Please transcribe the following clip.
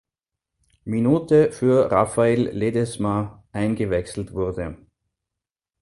Minute für Rafael Ledesma eingewechselt wurde.